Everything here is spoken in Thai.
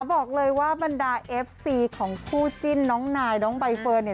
บอกเลยว่าบรรดาเอฟซีของคู่จิ้นน้องนายน้องใบเฟิร์นเนี่ย